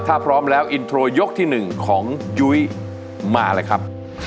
ถ้าพร้อมแล้วอินโทรยกที่๑ของยุ้ยมาเลยครับ